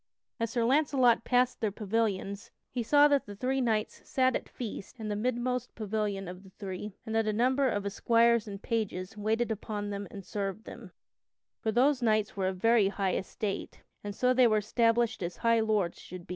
As Sir Launcelot passed their pavilions, he saw that the three knights sat at feast in the midmost pavilion of the three, and that a number of esquires and pages waited upon them and served them, for those knights were of very high estate, and so they were established as high lords should be.